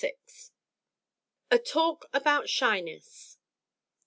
A TALK ABOUT SHYNESS.